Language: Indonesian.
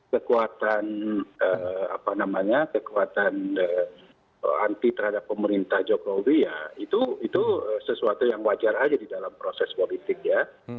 kekuatan apa namanya kekuatan anti terhadap pemerintah jokowi ya itu sesuatu yang wajar saja di dalam proses politik ya